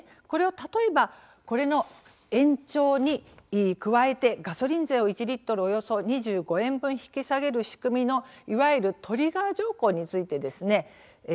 これを例えばこれの延長に加えてガソリン税を１リットルおよそ２５円分引き下げる仕組みのいわゆるトリガー条項についてですね